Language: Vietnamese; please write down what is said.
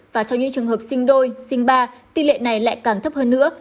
và trong những trường hợp sinh đôi sinh ba tỷ lệ này lại càng thấp hơn nữa